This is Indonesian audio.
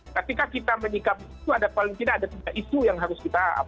ketika kita menikam itu ada isu yang harus ditujukan